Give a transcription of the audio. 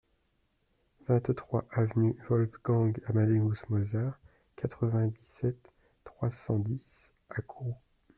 vingt-trois avenue Wolfgang Amadéus Mozart, quatre-vingt-dix-sept, trois cent dix à Kourou